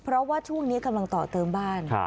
เพราะว่าช่วงนี้กำลังต่อเติมบ้าน